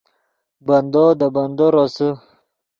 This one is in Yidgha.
بندو دے بندو روسے